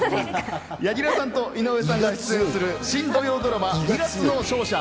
柳楽さんと井上さんが出演する新土曜ドラマ『二月の勝者ー